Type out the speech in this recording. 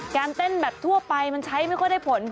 การเต้นแบบทั่วไปมันใช้ไม่ค่อยได้ผล